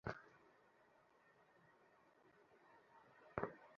গাজী মাজহারুল আনোয়ারের একটি গীতিনাট্যও পরিবেশন করা হয়।